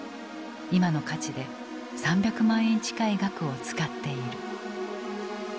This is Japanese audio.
今の価値で３００万円近い額を使っている。